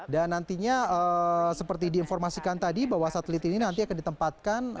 dan nantinya seperti diinformasikan tadi bahwa satelit ini nanti akan ditempatkan